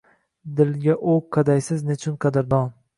Dilga o’q qadaysiz nechun qadrdon?